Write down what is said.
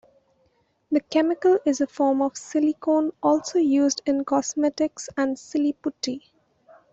The chemical is a form of silicone also used in cosmetics and Silly Putty.